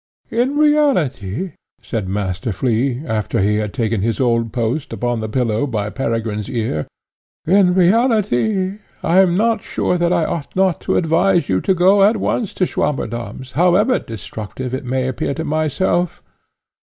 "In reality," said Master Flea, after he had taken his old post, upon the pillow, by Peregrine's ear, "in reality I am not sure that I ought not to advise you to go at once to Swammerdamm's, however destructive it may appear to myself.